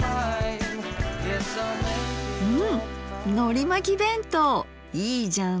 うんのりまき弁当いいじゃん。